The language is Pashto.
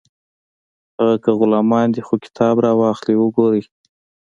هغه که غلامان دي خو کتاب راواخلئ وګورئ